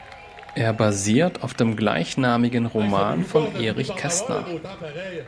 Er basiert auf dem gleichnamigen Roman von Erich Kästner.